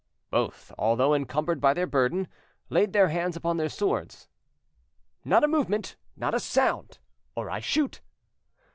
Both, although encumbered by their burden, laid their hands upon their swords. "Not a movement, not a sound, or I shoot."